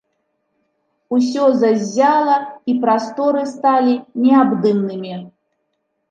Усё заззяла, і прасторы сталі неабдымнымі.